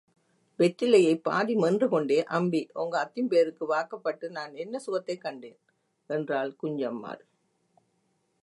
வெற்றிலையைப் பாதி மென்றுகொண்டே, அம்பி, ஓங்க அத்திம்பேருக்கு வாக்கப்பட்டு நான் என்ன சுகத்தைக் கண்டேன்? என்றாள் குஞ்சம்மாள்.